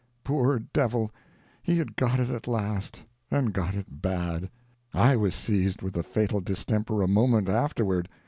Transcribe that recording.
Poor devil—he had got it at last, and got it bad. I was seized with the fatal distemper a moment afterward.